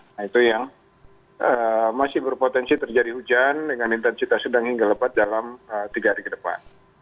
nah itu yang masih berpotensi terjadi hujan dengan intensitas sedang hingga lebat dalam tiga hari ke depan